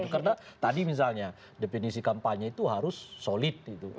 karena tadi misalnya definisi kampanye itu harus solid